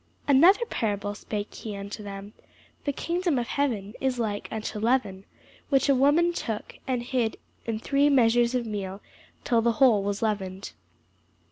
Another parable spake he unto them; The kingdom of heaven is like unto leaven, which a woman took, and hid in three measures of meal, till the whole was leavened.